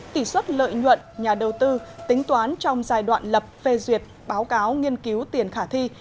tỷ xuất lợi nhuận nhà đầu tư tính toán trong giai đoạn lập phê duyệt báo cáo nghiên cứu tiền khả thi